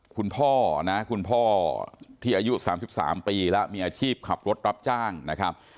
คุณพ่อนะคุณพ่อที่อายุ๓๓ปีแล้วมีอาชีพขับรถรับจ้างนะครับ